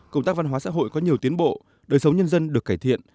công tác văn hóa xã hội có nhiều tiến bộ đời sống nhân dân được cải thiện